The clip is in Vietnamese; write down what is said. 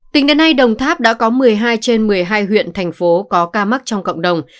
tính đến nay đồng tháp đã có một mươi hai trên một mươi hai huyện thành phố có ca mắc trong cộng đồng